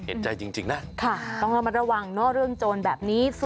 เอ็ดใจจริงนะค่ะต้องเอามาระวังนอกเรื่องโจรแบบนี้